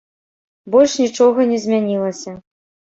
Больш нічога не змянілася.